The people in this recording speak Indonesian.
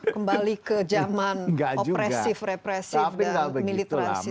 kembali ke zaman opresif represif dan militeranisisme